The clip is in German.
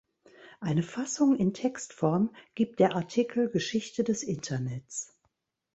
Eine Fassung in Textform gibt der Artikel Geschichte des Internets.